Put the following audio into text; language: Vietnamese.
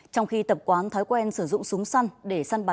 trong khi tập quán thói quen sử dụng súng săn